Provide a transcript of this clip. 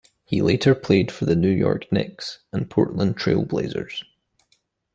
He later played for the New York Knicks and Portland Trail Blazers.